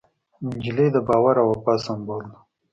نجلۍ د باور او وفا سمبول ده.